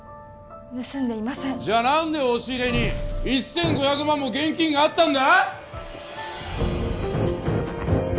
盗んでいませんじゃ何で押し入れに１５００万も現金があったんだ？